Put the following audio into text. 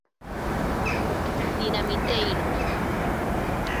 Dinamiteiros.